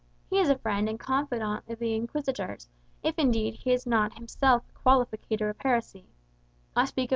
He is a friend and confidant of the Inquisitors, if indeed he is not himself a Qualificator of Heresy:[#] I speak of Dr. Garçias Ariâs."